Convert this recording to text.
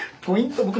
ポイント